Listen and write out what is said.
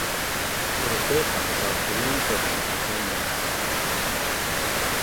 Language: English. It is based on the South Korean programme of the same name.